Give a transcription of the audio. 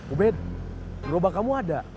ubed gerobak kamu ada